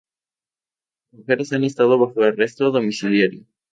Las mujeres han estado bajo arresto domiciliario.